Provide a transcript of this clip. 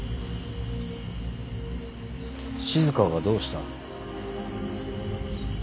静がどうした。